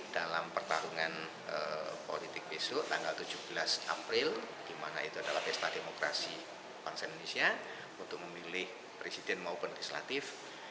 dalam pertarungan politik besok tanggal tujuh belas april di mana itu adalah pesta demokrasi bangsa indonesia untuk memilih presiden maupun legislatif